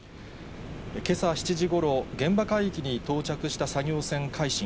けさ７時ごろ、現場海域に到着した作業船、海進。